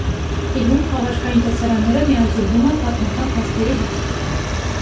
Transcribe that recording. Ֆիլմում խաղարկային տեսարանները միաձուլվում են պատմական փաստերի հետ։